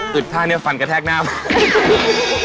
ศึกฆ่าเนี่ยฟันกะแทกหน้าผม